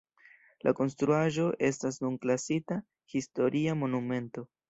La konstruaĵo estas nun klasita Historia Monumento.